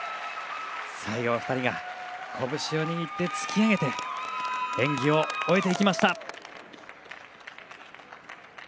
最後は２人がこぶしを握って突き上げて演技を終えていきました。